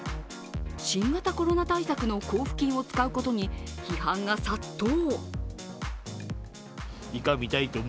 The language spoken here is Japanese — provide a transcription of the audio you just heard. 新型コロナ対策の交付金を使うことに批判が殺到。